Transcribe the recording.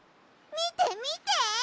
みてみて！